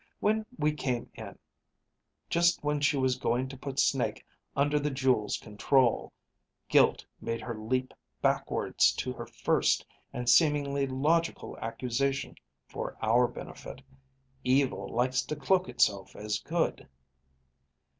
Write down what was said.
When we came in, just when she was going to put Snake under the jewel's control, guilt made her leap backwards to her first and seemingly logical accusation for our benefit. Evil likes to cloak itself as good."